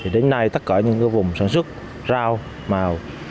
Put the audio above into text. đến nay tất cả những vùng sản xuất rau màu